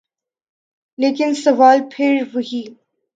لیکن سوال پھر وہی۔